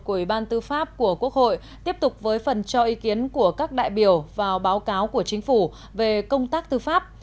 công tác tư pháp của quốc hội tiếp tục với phần cho ý kiến của các đại biểu vào báo cáo của chính phủ về công tác tư pháp